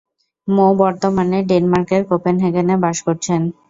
মো বর্তমানে ডেনমার্কের কোপেনহেগেনে বাস করছেন।